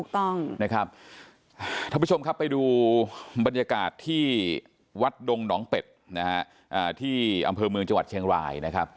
ท่านผู้ชมครับไปดูบรรยากาศที่วัดดงหนองเป็ดที่อำเภอเมืองจังหวัดเชียงราย